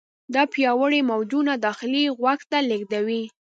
دا پیاوړي موجونه داخلي غوږ ته لیږدوي.